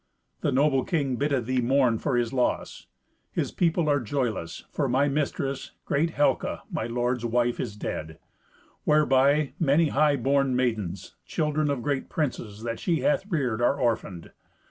The noble king biddeth thee mourn for his loss. His people are joyless, for my mistress, great Helca, my lord's wife, is dead; whereby many high born maidens, children of great princes, that she hath reared, are orphaned.